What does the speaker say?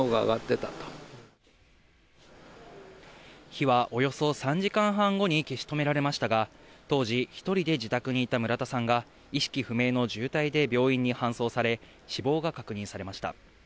火はおよそ３時間半後に消し止められましたが、当時、１人で自宅にいた村田さんが意識不明の重体で病院に搬送され、死亡が確認されました。